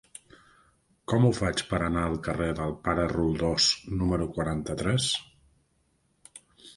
Com ho faig per anar al carrer del Pare Roldós número quaranta-tres?